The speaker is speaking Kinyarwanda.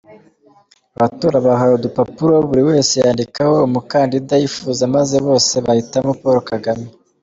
Abatora bahawe udupapuro, buri wese yandikaho umukandida yifuza, maze bose bahitamo Paul Kagame.